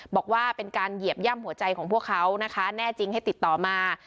บอกว่าเป็นการเหยียบย่ำหัวใจของพวกเขานะคะแน่จริงให้ติดต่อมา